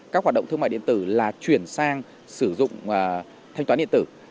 các hoạt động thương mại điện tử là chuyển sang sử dụng thanh toán điện tử